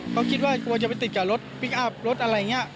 เขาคิดว่ากลัวจะไปติดกับรถพลิกอัพรถอะไรอย่างนี้